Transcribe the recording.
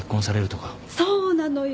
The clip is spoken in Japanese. そうなのよ。